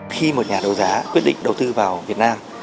khi một nhà đấu giá quyết định đầu tư vào việt nam